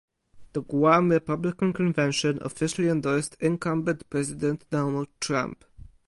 The Guam Republican Convention officially endorsed incumbent President Donald Trump.